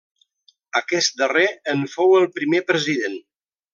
Aquest darrer en fou el primer president.